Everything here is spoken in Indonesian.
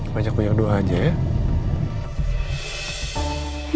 banyak punya dua aja ya